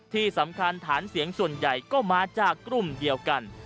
ที่สำคัญฐานเสียงส่วนใหญ่ก็มาจากกลุ่มเดียวกัน